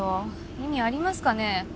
意味ありますかね